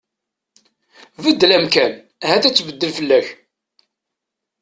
Beddel amkan ahat ad tbeddel fell-ak.